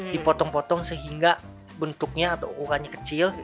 dipotong potong sehingga bentuknya atau ukurannya kecil